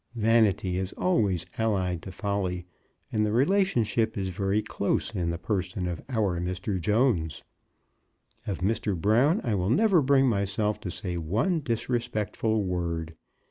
Vanity is always allied to folly, and the relationship is very close in the person of our Mr. Jones. Of Mr. Brown I will never bring myself to say one disrespectful word.